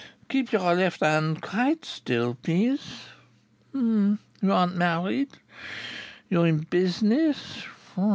"Keep your left hand quite still, please. You aren't married. You're in business.